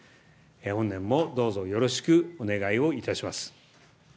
本年もどうぞよろしくお願いをいたします。